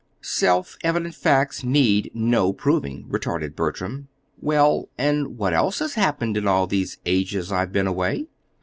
"Self evident facts need no proving," retorted Bertram. "Well, and what else has happened in all these ages I've been away?"